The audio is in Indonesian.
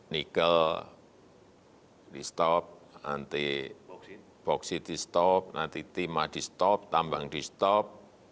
nikel di stop nanti bauksit di stop nanti timah di stop tambang di stop